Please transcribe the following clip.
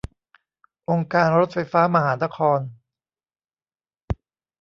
องค์การรถไฟฟ้ามหานคร